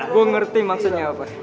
gue ngerti maksudnya apa